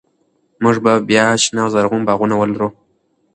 موږ به بیا شنه او زرغون باغونه ولرو.